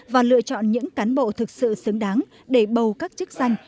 và lựa chọn những cán bộ thực sự xứng đáng để bầu các chức danh